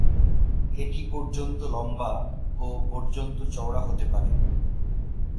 এটি পর্যন্ত লম্বা ও পর্যন্ত চওড়া হতে পারে।